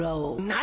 何？